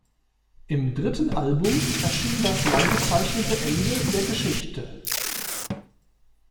Im dritten Album erschien das neu gezeichnete Ende der Geschichte.